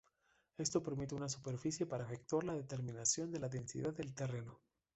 Esto permite una superficie para efectuar la determinación de la densidad del terreno.